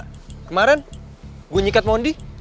kemarin gua nyikat mondi